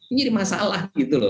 ini jadi masalah